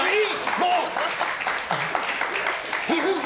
もう！